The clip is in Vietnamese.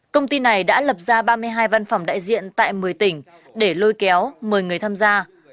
công ty này đã lập ra ba mươi hai văn phòng đại diện tại một mươi tỉnh để lôi kéo mời người tham gia